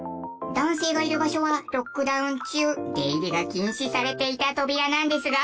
男性がいる場所はロックダウン中出入りが禁止されていた扉なんですが。